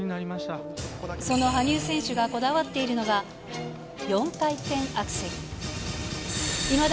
その羽生選手がこだわっているのが、４回転アクセル。